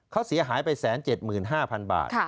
เขาเสียหายไป๑๗๕๐๐๐บาท